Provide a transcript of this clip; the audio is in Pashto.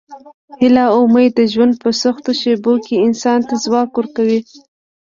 هیله او امید د ژوند په سختو شېبو کې انسان ته ځواک ورکوي.